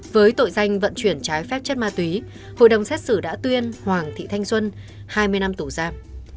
với tội danh vận chuyển trái phép chất ma túy hội đồng xét xử đã tuyên hoàng thị thanh xuân hai mươi năm tù giam